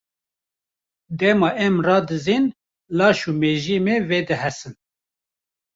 Dema em radizên laş û mejiyê me vedihesin.